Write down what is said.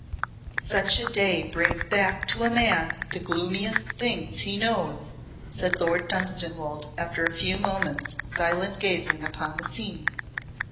"Such a day brings back to a man the gloomiest things he knows," said Lord Dunstanwolde after a few moments' silent gazing upon the scene.